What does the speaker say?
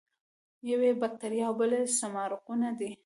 یو یې باکتریا او بل سمارقونه دي.